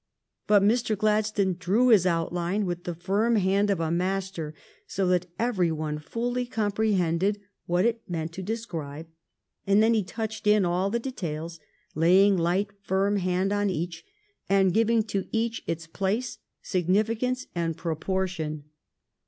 But Mr. Gladstone drew his outline with the firm hand of a master, so that every one fully compre hended what it meant to describe, and then he touched in all the details, laying light, firm hand on each, and giving to each its place, significance, and proportion.